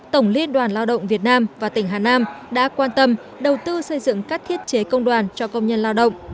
tổng liên đoàn lao động việt nam và tỉnh hà nam đã quan tâm đầu tư xây dựng các thiết chế công đoàn cho công nhân lao động